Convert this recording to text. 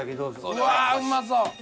うわーうまそう！